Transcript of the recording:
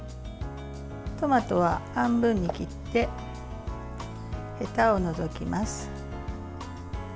トマトは半分に切ってへたを除きます。